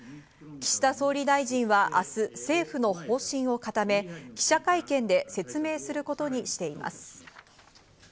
岸田総理大臣は明日、政府の方針を固め、記者会見で説明することにしています。